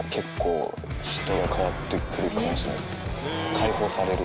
解放される？